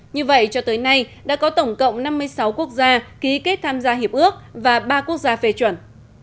như vậy cho tới nay đã có tổng cộng năm mươi sáu quốc gia ký kết tham gia hiệp ước và ba quốc gia phê chuẩn